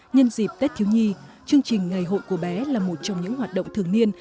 nhân dịp tết thiếu nhi chương trình ngày hội của bé là một trong những hoạt động thường niên